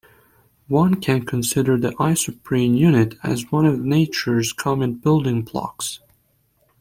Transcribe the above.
One can consider the isoprene unit as one of nature's common building blocks.